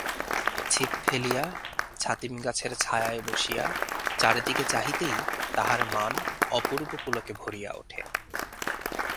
ছিপ ফেলিয়া ছাতিম গাছের ছায়ায় বসিয়া চারিদিকে চাহিতেই তাহার মান অপূর্ব পুলকে ভরিয়া ওঠে।